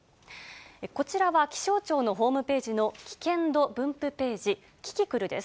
こちらは気象庁のホームページの危険度分布ページ、キキクルです。